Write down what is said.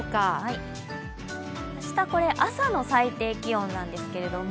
明日、朝の最低気温なんですけれども、